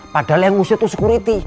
padahal yang ngusir tuh sekuriti